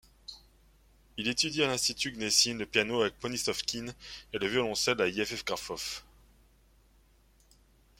Il étudie à l'institut Gnessine, le piano avec Ponizovkine et le violoncelle avec Yevgrafov.